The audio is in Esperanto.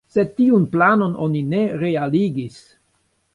Sed tiun planon oni ne realigis.